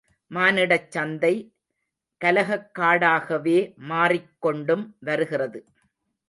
மானிடச் சந்தை கலகக்காடாகவே மாறிக் கொண்டும் வருகிறது.